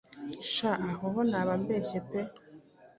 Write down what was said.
Sha aho ho naba mbeshye pe!